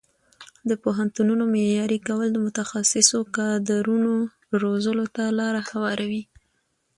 د پوهنتونونو معیاري کول د متخصصو کادرونو روزلو ته لاره هواروي.